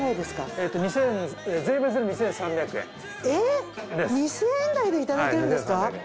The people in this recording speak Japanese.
えっ２，０００円台でいただけるんですか？